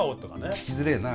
聴きづれえなあ。